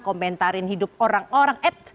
komentarin hidup orang orang